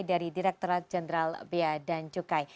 dari direkturat jenderal bea dan cukai